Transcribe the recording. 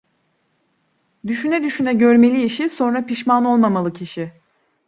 Düşüne düşüne görmeli işi, sonra pişman olmamalı kişi.